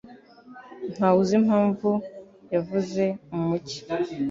Ntawe uzi impamvu yavuye mu mujyi.